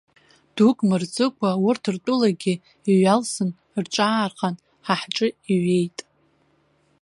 Дук мырҵыкәа, урҭ ртәылагьы иҩалсын, рҿаархан, ҳа ҳҿы иҩеит.